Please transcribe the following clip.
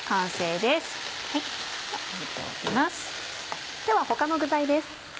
では他の具材です。